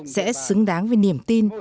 sẽ xứng đáng với niềm tin